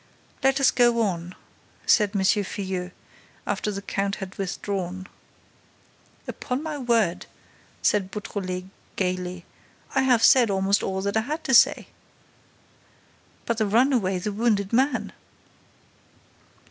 "Let us go on," said M. Filluel after the count had withdrawn. "Upon my word," said Beautrelet, gaily, "I have said almost all that I had to say." "But the runaway, the wounded man?"